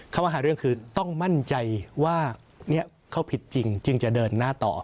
ข้อหาเรื่องคือต้องมั่นใจว่าเขาผิดจริงจึงจะเดินหน้าต่อ